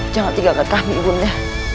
jangan tinggalkan kami bunda